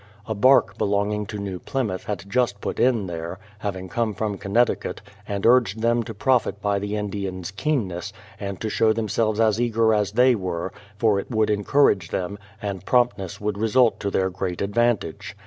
A bark belonging to New Plymouth had just put in there, having come from Connecticut, and urged them to profit by the Indians' keenness, and to show them selves as eager as they were, for it would encourage them, and promptness would result to their great advantage.